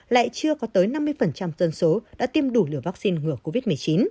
lại chưa có tới năm mươi dân số đã tiêm đủ liều vaccine ngừa covid một mươi chín